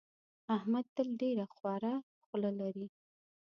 احمد تل ډېره خوره خوله لري.